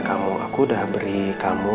kamu aku udah beri kamu